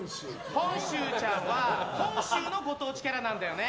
本州ちゃんは本州のご当地キャラなんだよね。